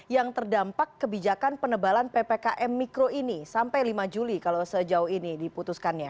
yang terdampak kebijakan penebalan ppkm mikro ini sampai lima juli kalau sejauh ini diputuskannya